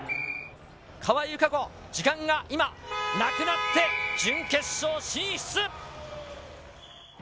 川井友香子、時間が今、なくなって、準決勝進出。